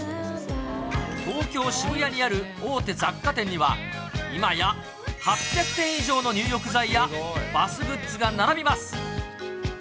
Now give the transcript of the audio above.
東京・渋谷にある大手雑貨店には、今や８００点以上の入浴剤や、バスグッズが並びます。